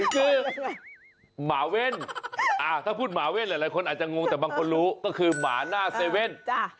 คือหมาเว่นถ้าพูดหมาเว่นหลายคนอาจจะงงแต่บางคนรู้ก็คือหมาหน้าเซเว่น